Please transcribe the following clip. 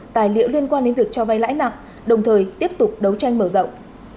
tài liệu liên quan đến việc cho vay lãi nặng đồng thời tiếp tục đấu tranh mở rộng